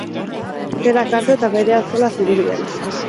Berak hartu eta berea zela zirudien.